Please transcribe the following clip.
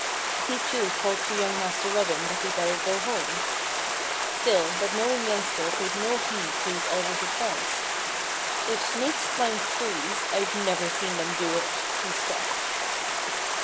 He too called to young Master Robin that he'd better go home. Still that knowing youngster paid no heed to his elder's advice. "If snakes climb trees I've never seen them do it," he scoffed.